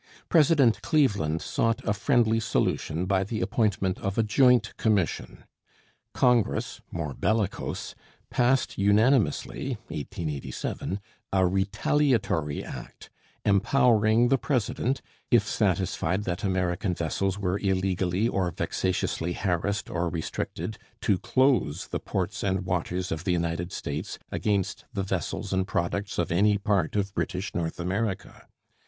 President Cleveland sought a friendly solution by the appointment of a joint commission. Congress, more bellicose, passed unanimously (1887) a Retaliatory Act, empowering the president, if satisfied that American vessels were illegally or vexatiously harassed or restricted, to close the ports and waters of the United States against the vessels and products of any part of British North America.